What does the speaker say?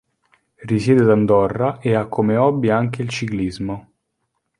Risiede ad Andorra e ha come hobby anche il ciclismo.